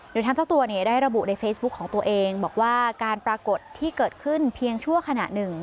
โดยทางเจ้าตัวเนี่ยได้ระบุในเฟซบุ๊คของตัวเองบอกว่าการปรากฏที่เกิดขึ้นเพียงชั่วขณะหนึ่ง